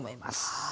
はい。